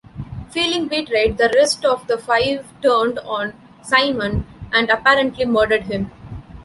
Feeling betrayed, the rest of the Five turned on Psimon and apparently murdered him.